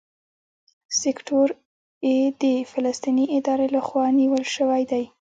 سیکټور اې د فلسطیني ادارې لخوا نیول شوی دی.